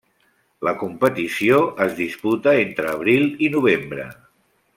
La competició es disputa entre abril i novembre.